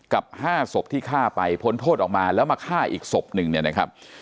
กับ๕ศพที่ฆ่าไปพ้นโทษออกมาแล้วมาฆ่าอีกศพหนึ่งเนี่ยนะครับ